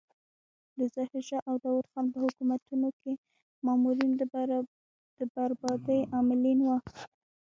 د ظاهر شاه او داود خان په حکومتونو کې مامورین د بربادۍ عاملین وو.